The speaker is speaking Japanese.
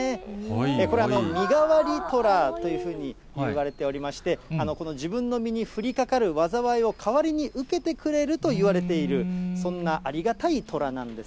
これ、身がわり寅というふうにいわれておりまして、この自分の身に降りかかる災いを代わりに受けてくれるといわれている、そんなありがたい寅なんです。